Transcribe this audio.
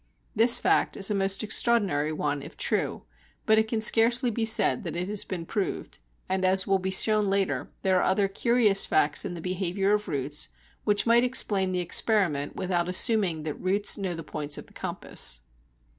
This fact is a most extraordinary one, if true, but it can scarcely be said that it has been proved, and, as will be shown later, there are other curious facts in the behaviour of roots which might explain the experiment without assuming that roots know the points of the compass.